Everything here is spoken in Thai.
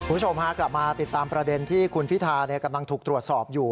คุณผู้ชมพากลับมาติดตามประเด็นที่คุณพิธากำลังถูกตรวจสอบอยู่